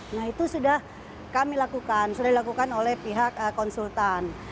nah itu sudah kami lakukan sudah dilakukan oleh pihak konsultan